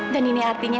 dan ini artinya